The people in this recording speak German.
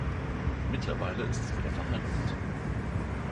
Mittlerweile ist sie wieder verheiratet.